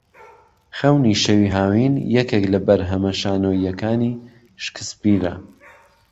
خەونی شەوی هاوین یەکێک لە بەرهەمە شانۆییەکانی شکسپیرە